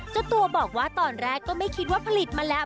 เจ้าตัวบอกว่าตอนแรกก็ไม่คิดว่าผลิตมาแล้ว